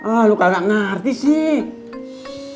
ah lu kagak ngerti sih